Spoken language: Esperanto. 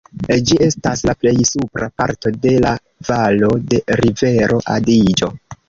Ĝi estas la plej supra parto de la valo de rivero Adiĝo.